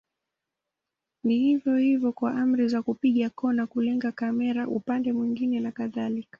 Ni vivyo hivyo kwa amri za kupiga kona, kulenga kamera upande mwingine na kadhalika.